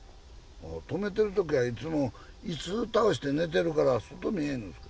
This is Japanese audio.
ああ、止めてるときはいつも、いす倒して寝てるから、外見えんのさ。